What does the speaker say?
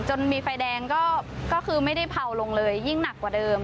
จนมีไฟแดงก็คือไม่ได้เผาลงเลยยิ่งหนักกว่าเดิม